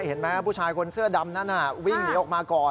เห็นไหมผู้ชายคนเสื้อดำนั้นวิ่งหนีออกมาก่อน